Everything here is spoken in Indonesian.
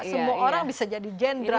semua orang bisa jadi jenderal